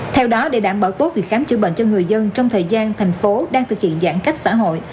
theo đó để đảm bảo tốt việc khám chữa bệnh cho người dân trong thời gian thành phố đang thực hiện giãn cách xã hội